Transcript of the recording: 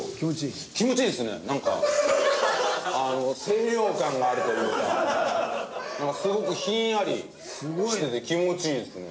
清涼感があるというかすごくひんやりしてて気持ちいいですね。